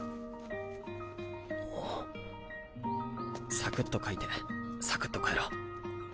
サクッと描いてサクッと帰ろう。